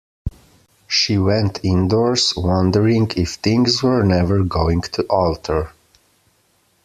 She went indoors, wondering if things were never going to alter.